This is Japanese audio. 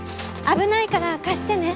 危ないから貸してね。